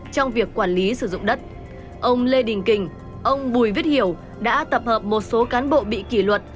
trong việc quản lý sử dụng đất ông lê đình kình ông bùi viết hiểu đã tập hợp một số cán bộ bị kỷ luật